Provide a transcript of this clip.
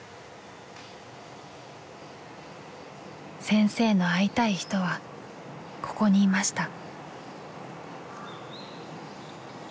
先生の会いたい人はここにいました。